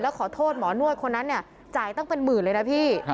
แล้วขอโทษหมอนวดคนนั้นจ่ายต้องเป็นหมื่นเลยนะพี่